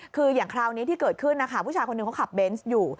คืออย่างคราวนี้ที่เกิดขึ้นนะคะผู้ชายคนหนึ่งเขาขับเบนส์อยู่